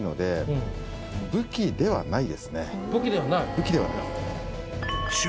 武器ではない。